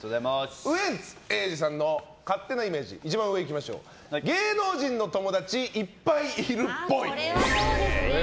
ウエンツ瑛士さんの勝手なイメージ、一番上芸能人の友達いっぱいいるっぽい。